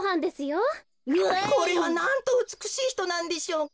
これはなんとうつくしいひとなんでしょうか。